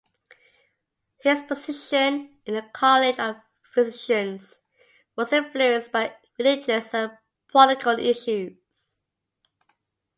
His position in the College of Physicians was influenced by religious and political issues.